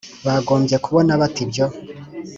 bagombye kubona bate ibyo